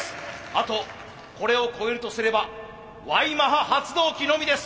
あとこれを超えるとすればＹマハ発動機のみです。